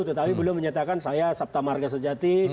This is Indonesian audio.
tetapi beliau menyatakan saya sabtamarga sejati